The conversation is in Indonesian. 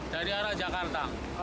dari arah jakarta